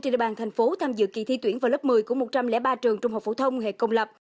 tp hcm tham dự kỳ thi tuyển vào lớp một mươi của một trăm linh ba trường trung học phổ thông hệ công lập